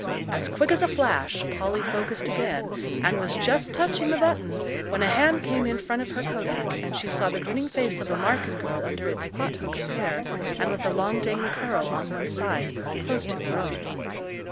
As quick as a flash Polly focussed again, and was just touching the button, when a hand came in front of her kodak, and she saw the grinning face of a Marken girl under its pot hook of hair and with the long, dangling curl on one side, close to her own.